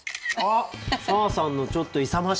砂羽さんのちょっと勇ましい姿が。